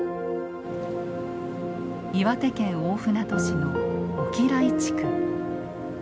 岩手県大船渡市の越喜来地区。